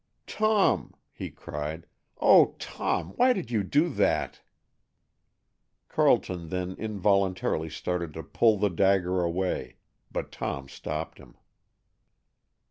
"Tom," he cried, "oh, Tom, why did you do that?" Carleton then involuntarily started to pull the dagger away, but Tom stopped him.